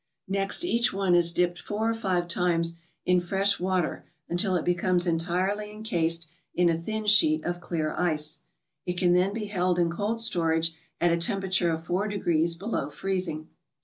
Next each one is dipped four or five times in fresh water until it becomes entirely incased in a thin sheet of clear ice. It can then be held in cold storage at a temperature of four degrees below freezing.